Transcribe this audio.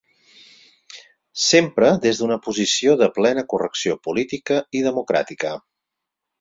Sempre des d’una posició de plena correcció política i democràtica.